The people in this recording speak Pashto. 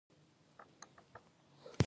آیا د افغانستان تیږې قیمتي دي؟